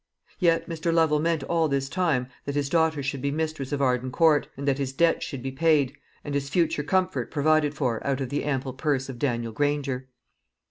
Yet Mr. Lovel meant all this time that his daughter should be mistress of Arden Court, and that his debts should be paid, and his future comfort provided for out of the ample purse of Daniel Granger.